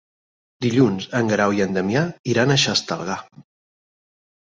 Dilluns en Guerau i en Damià iran a Xestalgar.